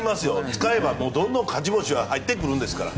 使えばどんどん勝ち星は入ってくるんですから。